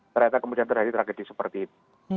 ternyata kemudian terjadi tragedi seperti itu